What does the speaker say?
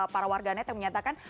para warganet yang menyatakan